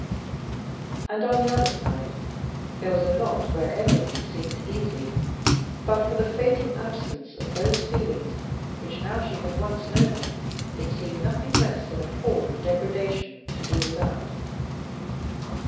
And on the other side there was a lot where everything seemed easy but for the fatal absence of those feelings which, now she had once known them, it seemed nothing less than a fall and degradation to do without.